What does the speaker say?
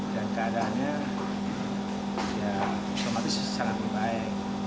dan keadaannya semakin baik